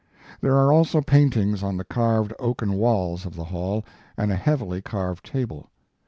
There are also paintings on the carved oaken walls of the hall and a heavily carved table.